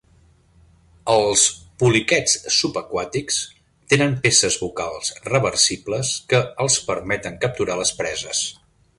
Els poliquets subaquàtics tenen peces bucals reversibles que els permeten capturar les preses.